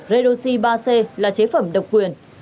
redoxy ba c là chế phẩm độc quyền